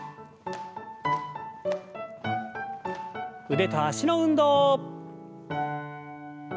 腕と脚の運動。